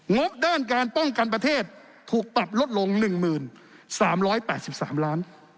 งบด้านการป้องกันประเทศถูกปรับลดลง๑๓๘๓ล้าน